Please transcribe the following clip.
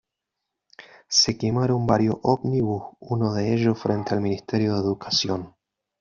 Se quemaron varios ómnibus, uno de ellos frente al Ministerio de Educación.